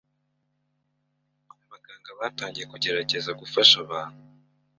Abaganga batangiye kugeraza gufasha abantu